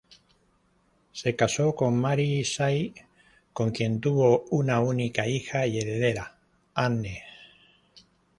Se casó con Mary Say, con quien tuvo una única hija y heredera: Anne.